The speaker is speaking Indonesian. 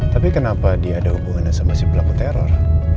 tapi kenapa dia ada hubungannya sama si pelaku teror